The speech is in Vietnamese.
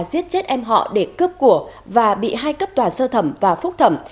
giết chết em họ để cướp của và bị hai cấp tòa sơ thẩm và phúc thẩm